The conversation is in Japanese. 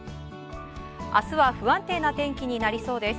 明日は不安定な天気になりそうです。